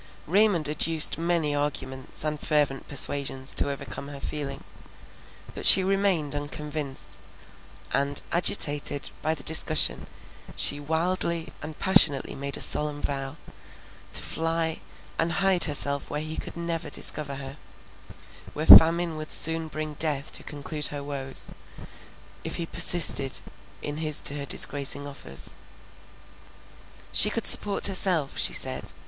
Raymond adduced many arguments and fervent persuasions to overcome her feeling, but she remained unconvinced; and, agitated by the discussion, she wildly and passionately made a solemn vow, to fly and hide herself where he never could discover her, where famine would soon bring death to conclude her woes, if he persisted in his to her disgracing offers. She could support herself, she said.